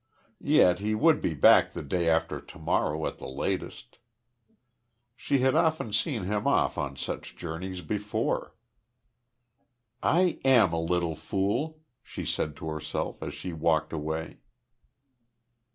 Yet he would be back the day after to morrow at the latest. She had often seen him off on such journeys before. "I am a little fool," she said to herself as she walked away.